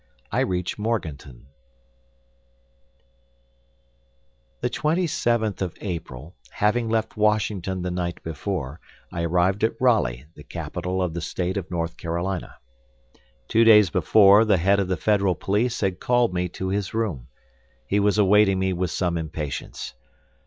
I REACH MORGANTON The twenty seventh of April, having left Washington the night before, I arrived at Raleigh, the capital of the State of North Carolina. Two days before, the head of the federal police had called me to his room. He was awaiting me with some impatience.